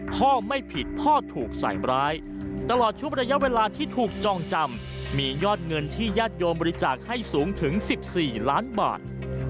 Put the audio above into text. พ่อไม่ผิดพ่อถูกใส่ร้ายตลอดชุบระยะเวลาที่ถูกจองจำมียอดเงินที่ญาติโยมบริจาคให้สูงถึง๑๔ล้านบาท